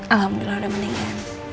alhamdulillah udah mendingan